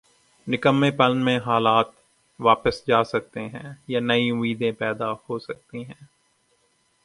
نکمّے پن میں حالات واپس جا سکتے ہیں یا نئی امیدیں پیدا ہو سکتی ہیں۔